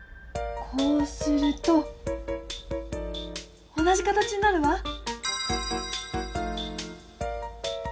こうすると同じ形になるわ！